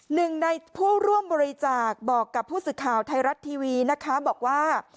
หนึ่งในผู้ร่วมบริจาคบอกกับผู้สื่อข่าวไทยรัฐทีวีนะคะบอกว่า